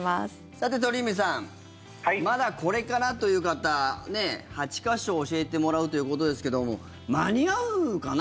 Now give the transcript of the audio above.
さて、鳥海さんまだこれからという方８か所教えてもらうということですけども間に合うかな？